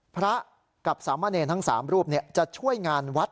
พระกับสามเณรทั้ง๓รูปจะช่วยงานวัด